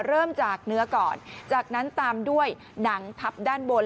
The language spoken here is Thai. เริ่มจากเนื้อก่อนจากนั้นตามด้วยหนังทับด้านบน